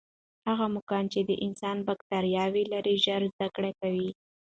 هغه موږکان چې د انسان باکټرياوې لري، ژر زده کړه کوي.